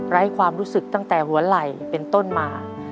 ไร้ความรู้สึกตั้งแต่หัวไหล่เป็นต้นมา